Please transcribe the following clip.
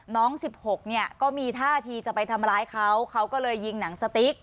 ๑๖เนี่ยก็มีท่าทีจะไปทำร้ายเขาเขาก็เลยยิงหนังสติ๊ก